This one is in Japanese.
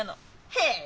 へえ。